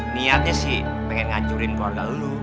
niatnya sih pengen ngacurin keluarga lo